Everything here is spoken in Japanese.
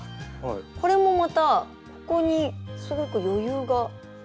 これもまたここにすごく余裕があるんですね。